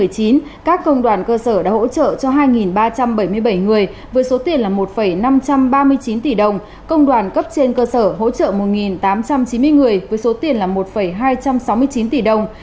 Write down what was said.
các công đoàn cơ sở đã hỗ trợ cho hai ba trăm bảy mươi bảy người với số tiền là một năm trăm ba mươi chín tỷ đồng công đoàn cấp trên cơ sở hỗ trợ một tám trăm chín mươi người với số tiền là một hai trăm sáu mươi chín tỷ đồng